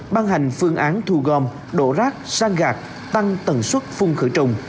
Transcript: ban hành phương án thu gom đổ rác sang gạt tăng tần suất phung khởi trùng